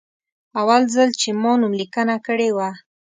اول ځل چې ما نوملیکنه کړې وه.